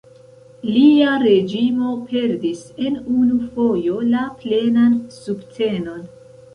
Lia reĝimo perdis en unu fojo la plenan subtenon.